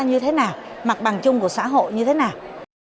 chúng ta như thế nào mặt bằng chung của xã hội như thế nào